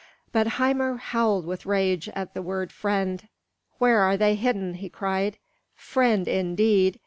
But Hymir howled with rage at the word "friend." "Where are they hidden?" he cried. "Friend, indeed!